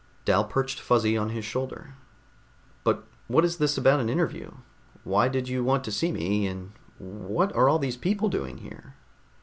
Dal perched Fuzzy on his shoulder. "But what is this about an interview? Why did you want to see me, and what are all these people doing here?"